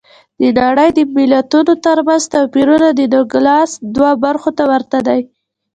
د نړۍ د ملتونو ترمنځ توپیرونه د نوګالس دوو برخو ته ورته دي.